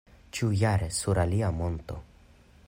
Ĉiujare sur alia monto.